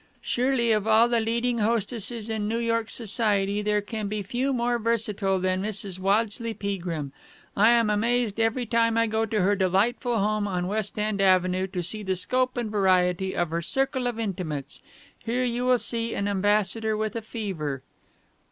"'Surely of all the leading hostesses in New York Society there can be few more versatile than Mrs. Waddesleigh Peagrim. I am amazed every time I go to her delightful home on West End Avenue to see the scope and variety of her circle of intimates. Here you will see an ambassador with a fever....'"